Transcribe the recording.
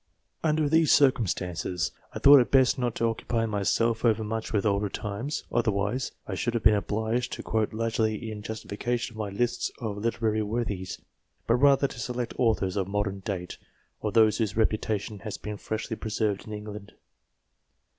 Under these circumstances, I thought it best not to occupy myself over much with older times ; otherwise, I should have been obliged to quote largely in justification of my lists of literary worthies : but rather to select authors of modern date, or those whose reputation has been freshly preserved in England.